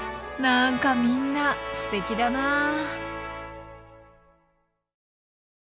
何かみんなすてきだなあ。